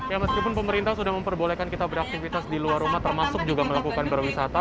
ya meskipun pemerintah sudah memperbolehkan kita beraktivitas di luar rumah termasuk juga melakukan berwisata